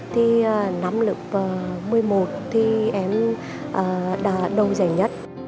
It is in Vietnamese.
thì năm lập một mươi một thì em đã đầu giải nhất